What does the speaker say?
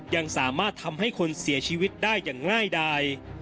ยังสามารถทำให้คนเสียชีวิตได้อย่างง่ายดาย